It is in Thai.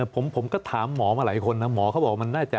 ผมก็ถามหมอมาหลายคนนะหมอเขาบอกว่ามันน่าจะ